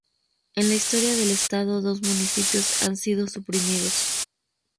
En la historia del estado dos municipios han sido suprimidos.